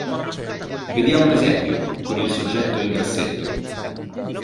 Vediamo un esempio, con il soggetto in grassetto.